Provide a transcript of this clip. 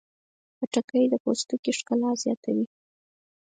خټکی د پوستکي ښکلا زیاتوي.